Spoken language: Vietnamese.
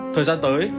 thời gian tới